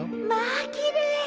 まあきれい。